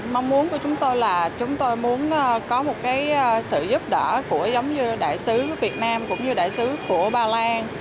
mong muốn của chúng tôi là chúng tôi muốn có một sự giúp đỡ của giống như đại sứ việt nam cũng như đại sứ của bà lan